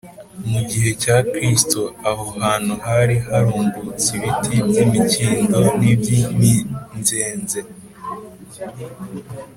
mu gihe cya kristo, aho hantu hari harumbutse ibiti by’imikindo n’iby’iminzenze